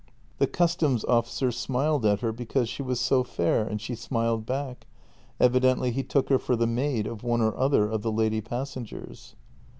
The customs officer smiled at her because .she was so fair, and she smiled back; evidently he took her for the maid of one or other of the lady passengers.